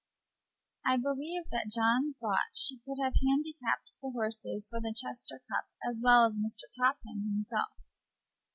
I believe that John thought she could have handicapped the horses for the Chester Cup as well as Mr. Topham himself.